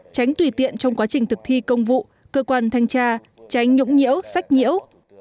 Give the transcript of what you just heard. tránh tùy tiện trong quá trình thực thi công vụ cơ quan thanh tra tránh nhũng nhiễu sách nhiễu